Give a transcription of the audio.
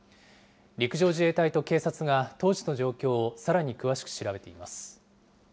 陸上自衛隊と警察が当時の状況をさらに詳しく調べています。